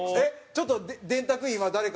ちょっと電卓今誰か。